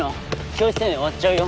教師生命終わっちゃうよ。